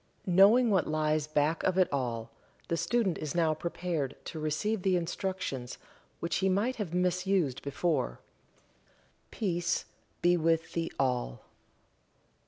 Knowing what lies back of it all, the student is now prepared to receive the instructions which he might have misused before. Peace be with thee all.